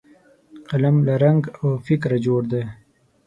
قلم له رنګ او فکره جوړ دی